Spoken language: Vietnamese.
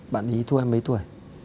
bạn ý thua em mấy tuổi